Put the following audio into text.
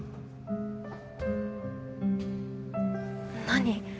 何？